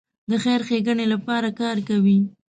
د خیر ښېګڼې لپاره کار کوي.